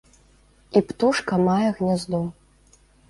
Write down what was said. І птушка мае гняздо.